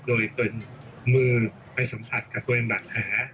โดยตัวเองมือไปสัมผัสกับตัวเองบันแผน